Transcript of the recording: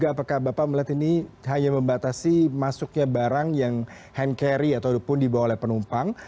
apakah bapak melihat ini hanya membatasi masuknya barang yang hand carry ataupun dibawa oleh penumpang